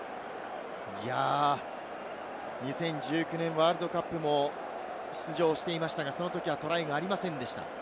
２０１９年ワールドカップも出場していましたが、その時はトライがありませんでした。